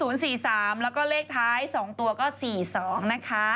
แล้วก็เลขท้าย๒ตัวก็๔๒นะคะ